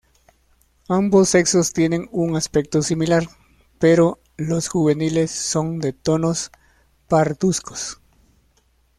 Ambos sexos tienen un aspecto similar, pero los juveniles son de tonos parduzcos.